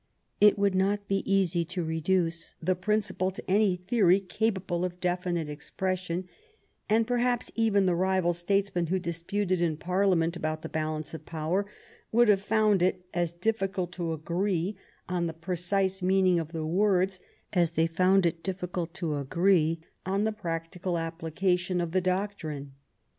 It would not be easy to reduce the principle to any theory capable of definite expression, and perhaps even the rival states men who disputed in Parliament about the balance of power would have found it as difiicult to agree on the precise meaning of the words as they found it difficult to agree on the practical application of the doctrine.